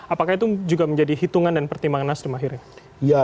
apakah itu juga menjadi hitungan dan pertimbangan nasyidul mahir ya